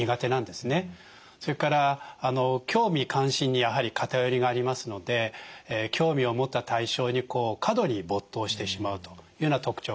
それから興味関心にやはり偏りがありますので興味を持った対象に過度に没頭してしまうというような特徴があります。